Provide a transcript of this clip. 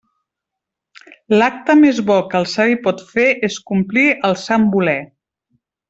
L'acte més bo que el savi pot fer és complir el sant voler.